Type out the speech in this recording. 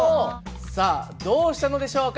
さあどうしたのでしょうか？